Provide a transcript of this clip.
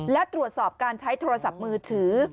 และตรวจสอบการใช้โทรศัพท์มือถือ